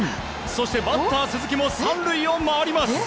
そしてバッター、鈴木も３塁を回ります。